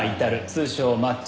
通称マッチ。